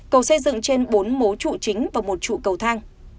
cầu xây dựng trên bốn mố trụ chính và một trụ cầu thang